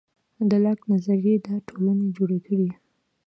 د لاک نظریې دا ټولنې جوړې کړې.